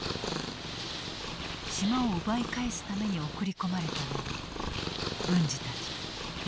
島を奪い返すために送り込まれたのが文次たち陸軍の部隊だった。